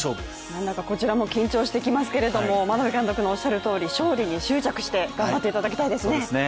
なんだかこちらも緊張してきますけれども眞鍋監督のおっしゃるとおり勝利に執着して頑張っていただきたいですね。